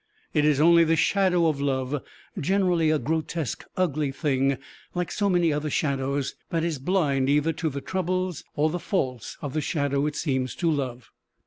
It is only the shadow of love, generally a grotesque, ugly thing, like so many other shadows, that is blind either to the troubles or the faults of the shadow it seems to love.